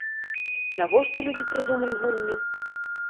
Навошта людзі прыдумалі гульні?